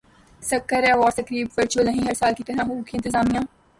سکر awards تقریب virtual نہیں ہر سال کی طرح ہوگی انتظامیہ